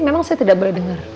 memang saya tidak boleh dengar